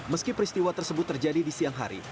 meski peristiwa tersebut terjadi di siang hari